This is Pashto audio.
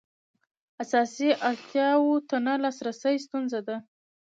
اساسي اړتیاوو ته نه لاسرسی ستونزه ده.